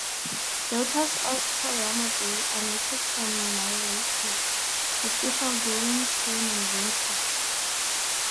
The waters of Toyama Bay are noted for mirages, especially during spring and winter.